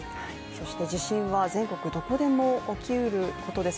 そして地震は全国どこでも起きうることです。